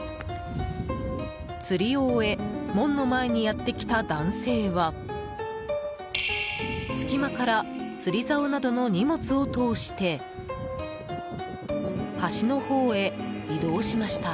釣りを終え門の前にやってきた男性は隙間から釣りざおなどの荷物を通して端の方へ移動しました。